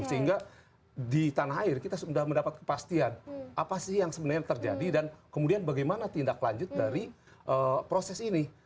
sehingga di tanah air kita sudah mendapat kepastian apa sih yang sebenarnya terjadi dan kemudian bagaimana tindak lanjut dari proses ini